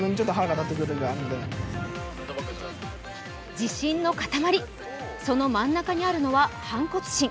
自信の塊、その真ん中にあるのは反骨心。